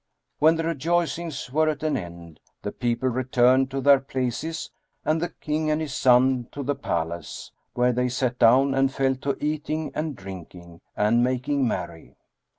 When the rejoicings were at an end, the people returned to their places and the King and his son to the palace, where they sat down and fell to eating and drinking and making merry.